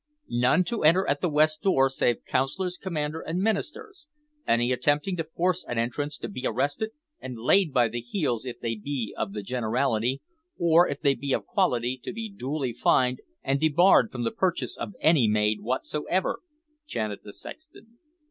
"None to enter at the west door save Councilors, commander, and ministers. Any attempting to force an entrance to be arrested and laid by the heels if they be of the generality, or, if they be of quality, to be duly fined and debarred from the purchase of any maid whatsoever," chanted the sexton.